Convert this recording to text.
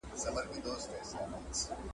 پرنګیانو د غازيانو مقابله ونه کړه.